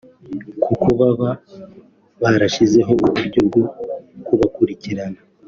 kuko baba barashyizeho uburyo bwo kubakurikirana